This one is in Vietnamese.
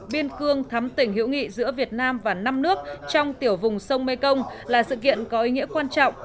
biên cương thám tỉnh hiễu nghị giữa việt nam và năm nước trong tiểu vùng sông mê công là sự kiện có ý nghĩa quan trọng